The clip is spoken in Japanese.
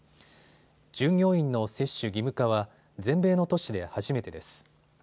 従業員の接種義務化は全米の都市で初めてです。